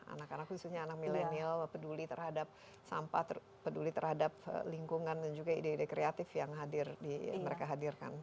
anak anak khususnya anak milenial peduli terhadap sampah peduli terhadap lingkungan dan juga ide ide kreatif yang mereka hadirkan